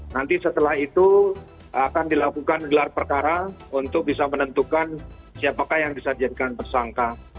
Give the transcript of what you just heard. nanti setelah itu akan dilakukan gelar perkara untuk bisa menentukan siapakah yang bisa dijadikan tersangka